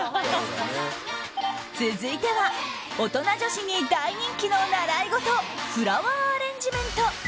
続いては大人女子に大人気の習い事フラワーアレンジメント。